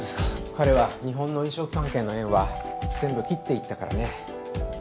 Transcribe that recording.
彼は日本の飲食関係の縁は全部切って行ったからね。